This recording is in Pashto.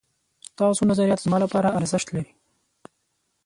ستاسو نظريات زما لپاره ارزښت لري